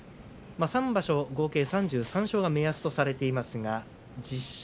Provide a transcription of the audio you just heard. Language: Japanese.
３場所３３勝が目安とされています。